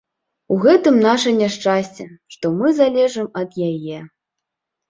У гэтым наша няшчасце, што мы залежым ад яе.